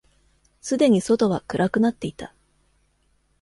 すでに外は暗くなっていた。